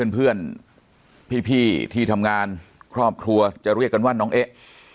เพื่อนพี่ที่ทำงานครอบครัวจะเรียกกันว่าน้องเอ๊ะ